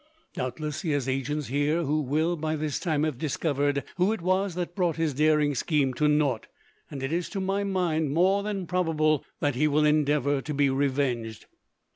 Doubtless, he has agents here who will, by this time, have discovered who it was that brought his daring scheme to naught; and it is, to my mind, more than probable that he will endeavour to be revenged."